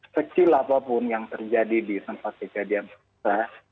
kecil apapun yang terjadi di tempat kejadian tersebut